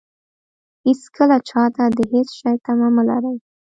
هېڅکله چاته د هېڅ شي تمه مه لرئ.